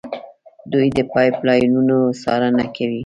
دوی د پایپ لاینونو څارنه کوي.